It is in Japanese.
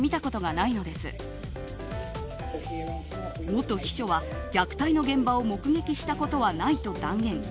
元秘書は虐待の現場を目撃したことはないと断言。